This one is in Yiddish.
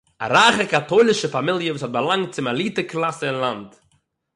אַ רייכער קאַטוילישער פאַמיליע וואָס האָט באַלאַנגט צום עליטע קלאַס אין לאַנד